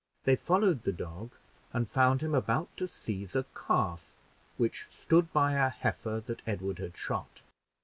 They followed the dog and found him about to seize a calf which stood by a heifer that Edward had shot.